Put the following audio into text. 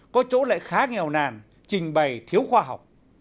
có chỗ lại khá nghèo nàn trình bày thiếu khoa học